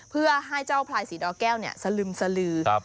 เพื่อให้เจ้าพลายสีดอแก้วสลึมสลือ